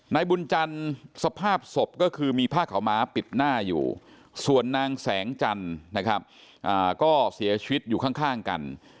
นายบุญจันทร์สภาพศพก็คือมีผ้าขาวม้าปิดหน้าอยู่ส่วนนางแสงจันทร์นะครับก็เสียชีวิตอยู่ข้างกัน